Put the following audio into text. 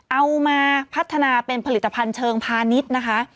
เอามาพัฒนาเป็นผลิตภัณฑ์เชิงพาณิชย์นะคะ